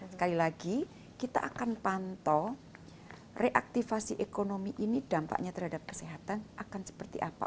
sekali lagi kita akan pantau reaktivasi ekonomi ini dampaknya terhadap kesehatan akan seperti apa